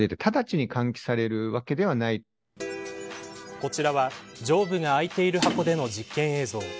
こちらは上部が開いている箱での実験映像。